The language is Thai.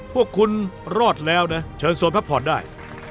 พวกคุณรอดแล้วนะเชิญส่วนพระพรได้